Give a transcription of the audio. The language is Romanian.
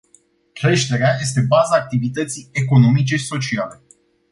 Creșterea este baza activității economice și sociale.